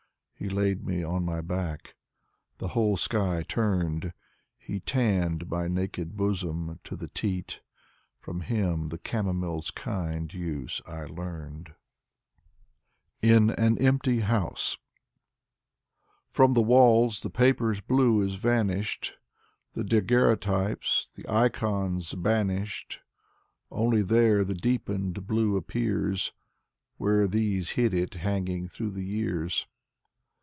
He laid me on my back. The whole sky turned. He tanned my naked bosom to the teat. From him the cammomile's kind use I learned. 96 Ivan Bunin IN AN EMPTY HOUSE From the walls the paper's blue is vanished, The daguerreotypes, the ikons banished. Only there the deepened blue appears Where these hid it, hanging through the years.